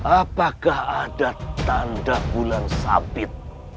apakah ada tanda bulan sabit